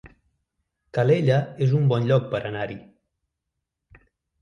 Calella es un bon lloc per anar-hi